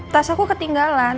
tas aku ketinggalan